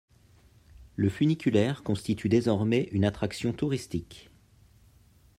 Le funiculaire constitue désormais une attraction touristique.